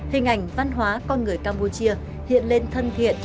hình ảnh văn hóa con người campuchia hiện lên thân thiện